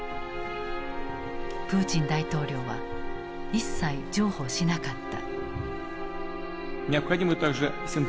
プーチン大統領は一切譲歩しなかった。